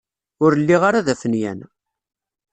Ur lliɣ ara d afenyan.